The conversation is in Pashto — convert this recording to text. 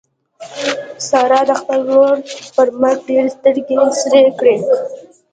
سارا د خپل ورور پر مرګ ډېرې سترګې سرې کړې.